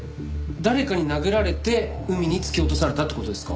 誰かに殴られて海に突き落とされたって事ですか？